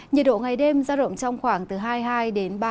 nhiệt độ ngày đêm giao động trong khoảng hai mươi hai đến ba mươi hai độ